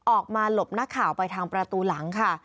หลบนักข่าวไปทางประตูหลังค่ะ